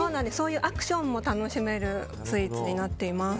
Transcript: アクションも楽しめるスイーツになっています。